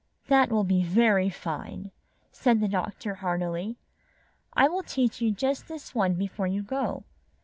"That will be very fine," said the doctor, heartily. "I will teach you just this one be fore you go.